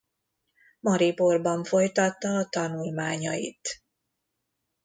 Mariborban folytatta a tanulmányait.